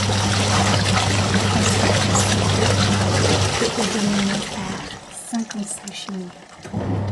Elle comprend six cours et est dominé par cinquante-cinq cheminées.